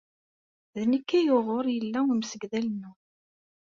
D nekk ay wuɣur yella umsegdal-nwen.